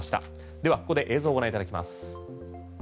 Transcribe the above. ではここで映像をご覧いただきます。